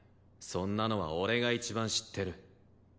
そんなのは俺が一番知ってる。